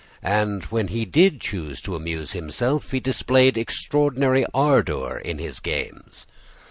And, when he did choose to amuse himself, he displayed extraordinary ardor in his games.